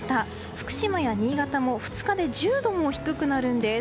福島や新潟も２日で１０度も低くなるんです。